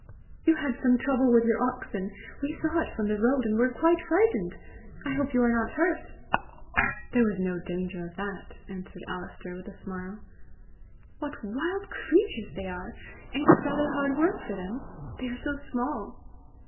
"You had some trouble with your oxen! We saw it from the road, and were quite frightened. I hope you are not hurt." "There was no danger of that," answered Alister with a smile. "What wild creatures they are! Ain't it rather hard work for them? They are so small!"